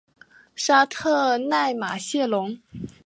沙特奈马谢龙。